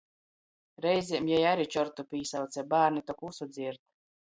Reizem jei ari čortu pīsauce, bārni tok vysu dzierd.